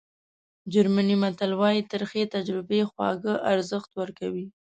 جرمني متل وایي ترخې تجربې خواږه ارزښت ورکوي.